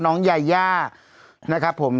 น้องยาย่านะครับผม